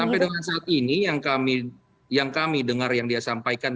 sampai dengan saat ini yang kami dengar yang dia sampaikan